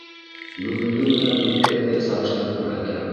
Бөгөнгө менән үткәнде сағыштырып күрһәтә...